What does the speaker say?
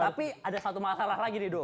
tapi ada satu masalah lagi nih do